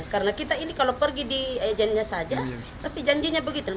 karena kita ini kalau pergi di janjinya saja pasti janjinya begitu